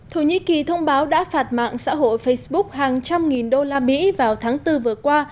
thổ nhĩ kỳ thông báo đã phạt mạng xã hội facebook hàng trăm nghìn đô la mỹ vào tháng bốn vừa qua